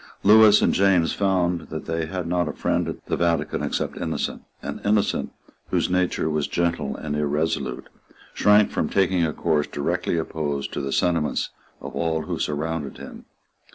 Lewis and James found that they had not a friend at the Vatican except Innocent; and Innocent, whose nature was gentle and irresolute, shrank from taking a course directly opposed to the sentiments of all who surrounded him.